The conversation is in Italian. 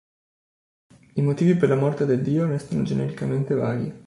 I motivi per la morte del dio restano genericamente vaghi.